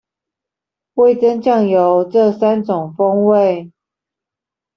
味噌、醬油這三種風味